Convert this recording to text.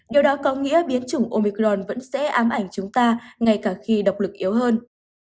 điều đó có nghĩa biến chủng omicron vẫn sẽ ám ảnh chúng ta ngay cả khi độc lực yếu hơn